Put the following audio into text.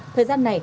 thời gian này